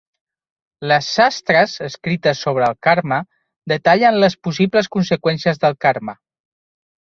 Les shastras escrites sobre el karma detallen les possibles conseqüències del karma.